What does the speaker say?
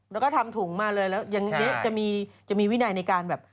แล้วก็ทำถุงมาเลยแล้วจะมีวินัยในการแบบ